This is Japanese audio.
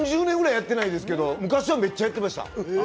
４０年ぐらいやってないですけど昔は、しょっちゅうやってました。